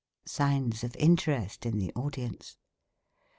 (Signs of interest in the audience.)